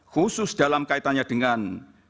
khusus dalam kaitannya dengan